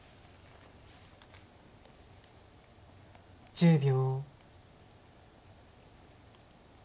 １０秒。